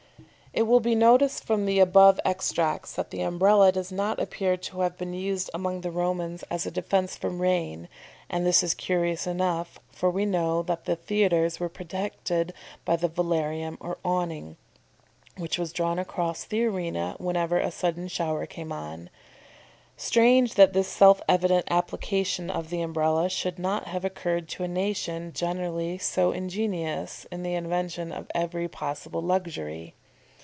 "] It will be noticed from the above extracts that the Umbrella does not appear to have been used among the Romans as a defence from rain; and this is curious enough, for we know that the theatres were protected by the velarium or awning, which was drawn across the arena whenever a sudden shower came on; strange that this self evident application of the Umbrella should not have occurred to a nation generally so ingenious in the invention of every possible luxury.